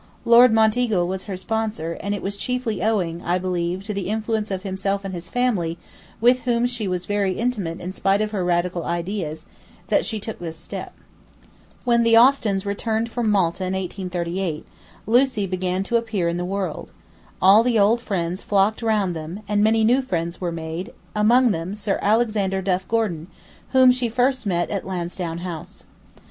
Lord Monteagle was her sponsor and it was chiefly owing, I believe, to the influence of himself and his family, with whom she was very intimate in spite of her Radical ideas, that she took this step. [Picture: Lucie Austin, aged fifteen, from a sketch by a school friend] When the Austins returned from Malta in 1838, Lucie began to appear in the world; all the old friends flocked round them, and many new friends were made, among them Sir Alexander Duff Gordon whom she first met at Lansdowne House.